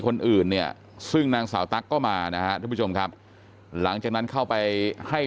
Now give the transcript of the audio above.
คนอื่นเนี่ยซึ่งนางสาวตั๊กก็มานะฮะทุกผู้ชมครับหลังจากนั้นเข้าไปให้